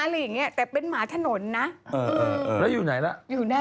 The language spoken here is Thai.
หมาหมาหมาหมาหมาหมาหมาหมาหมาหมาหมาหมาหมา